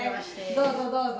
どうぞどうぞ。